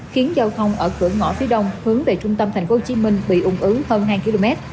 khiến giao thông ở cửa ngõ phía đông hướng về trung tâm tp hcm bị ung ứ hơn hai km